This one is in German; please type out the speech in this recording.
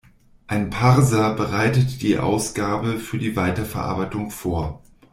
Ein Parser bereitet die Ausgabe für die Weiterverarbeitung vor.